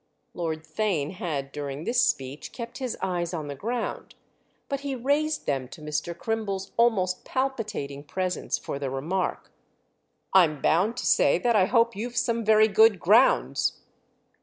Lord Theign had during this speech kept his eyes on the ground; but he raised them to Mr. Crimble's almost palpitating presence for the remark: "I'm bound to say that I hope you've some very good grounds!"